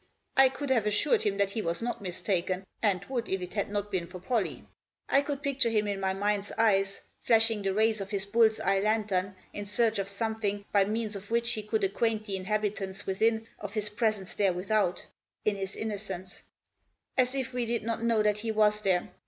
I could have assured him that he was not mistaken, and would if it had not been for Pollie. I could picture him in my mind's eyes flashing the rays of his bull's eye lantern in search of something by means of which he could acquaint the inhabitants within of his presence there without — in his innocence 1 As if we did not know that he was there.